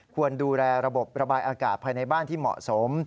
ควรดูแลระบบระบายอากาศภายในบ้านที่เหมาะสม